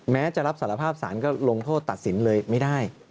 แม้จะรับสารภาพสารก็ลงโทษตัดสินเลยไม่ได้